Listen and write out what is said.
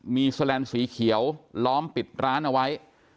มีแสลนด์สีเขียวล้อมปิดร้านเอาไว้